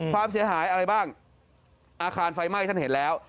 ความเสียหายอะไรบ้างอาคารไฟไหม้ท่านเห็นแล้ว